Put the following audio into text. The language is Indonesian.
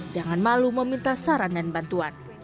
jangan malu meminta saran dan bantuan